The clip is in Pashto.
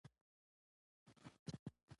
صفوي رژیم سني اتباع تر فشار لاندې ساتلي ول.